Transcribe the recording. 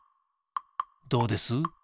どうです？